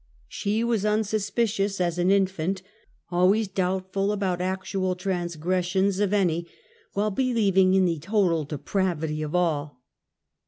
She was unsuspicious as an infant, always doubtful about "actual transgressions" of any, while believing in the total depravity of all.